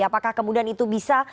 apakah kemudian itu bisa